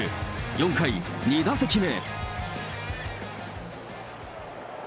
４回、２打席目。